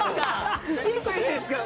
一個言っていいですか。